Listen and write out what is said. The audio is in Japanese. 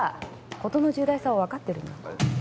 事の重大さを分かってるの？